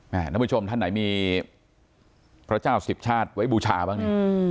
ท่านผู้ชมท่านไหนมีพระเจ้าสิบชาติไว้บูชาบ้างนี่